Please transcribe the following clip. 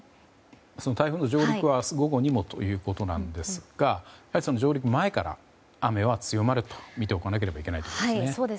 その台風の上陸は明日午後にもということですが上陸前から雨は強まると見ておかないといけないということですね。